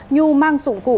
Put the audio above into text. nhu mang dụng cụ